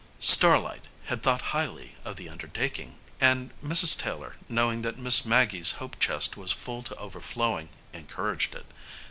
"Starlight" had thought highly of the undertaking, and Mrs. Taylor, knowing that Miss Maggie's hope chest was full to overflowing, encouraged it.